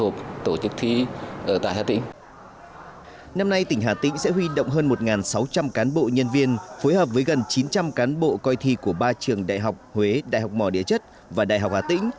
phối hợp với gần chín trăm linh cán bộ coi thi của ba trường đại học huế đại học mò đĩa chất và đại học hà tĩnh